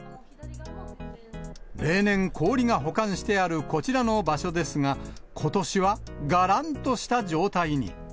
例年氷が保管してあるこちらの場所ですが、ことしは、がらんとした状態に。